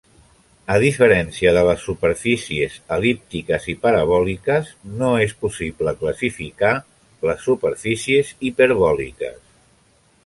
A diferència de les superfícies el·líptiques i parabòliques, no és possible classificar les superfícies hiperbòliques.